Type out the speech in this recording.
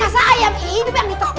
masa ayam ini yang ditepun